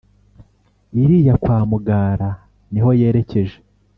iriya kwa mugara niho yerekeje